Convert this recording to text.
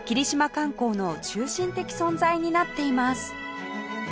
観光の中心的存在になっています